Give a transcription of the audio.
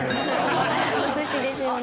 お寿司ですよね。